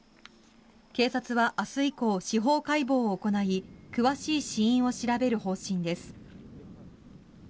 警察は明日以降、司法解剖を行い詳しい死因を調べる方針です。